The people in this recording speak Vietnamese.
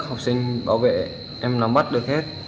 học sinh bảo vệ em làm bắt được hết